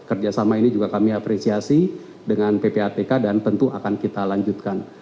kerjasama ini juga kami apresiasi dengan ppatk dan tentu akan kita lanjutkan